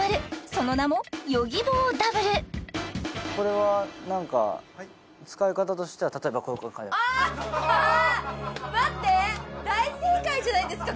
その名もこれは何か使い方としては例えばあーっあーっ待って大正解じゃないですか？